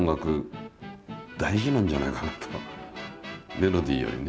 メロディーよりね。